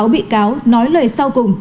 ba mươi sáu bị cáo nói lời sau cùng